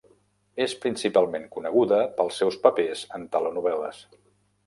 És principalment coneguda pels seus papers en telenovel·les.